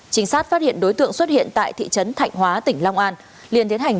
trinh sát phát hiện đối tượng xuất hiện tại thị trấn thạnh hóa tỉnh long an liền tiến hành